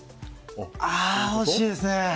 惜しいですね。